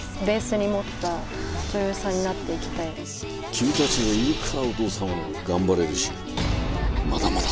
君たちがいるからお父さんは頑張れるしまだまだ。